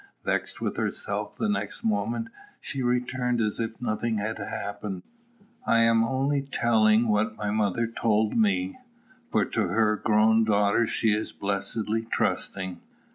Vexed with herself the next moment, she returned as if nothing had happened. I am only telling what my mother told me; for to her grown daughters she is blessedly trusting.